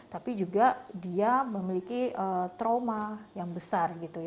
tapi juga dia memiliki trauma yang besar